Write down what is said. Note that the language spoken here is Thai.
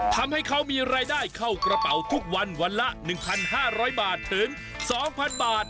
ทำให้เขามีรายได้เข้ากระเป๋าทุกวันวันละ๑๕๐๐บาทถึง๒๐๐๐บาท